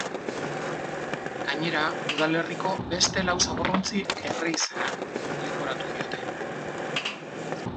Gainera, udalerriko beste lau zaborrotzi erre izana leporatu diote.